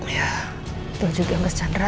ya itu juga mas chandra